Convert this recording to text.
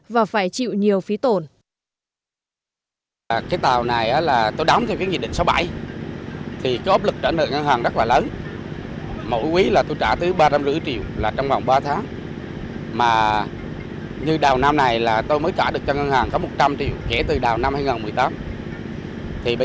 và phải trả nợ lãi vai ngân hàng mỗi quý hơn ba trăm linh triệu đồng để đóng tàu vỏ thép và lo cho đời sống của các thuyền viên